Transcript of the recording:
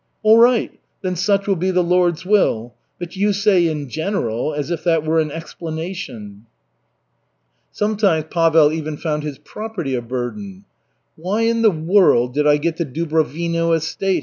"All right, then such will be the Lord's will. But you say 'in general' as if that were an explanation." Sometimes Pavel even found his property a burden. "Why in the world did I get the Dubrovino estate?"